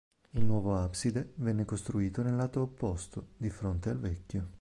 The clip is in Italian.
Il nuovo abside venne costruito nel lato opposto, di fronte al vecchio.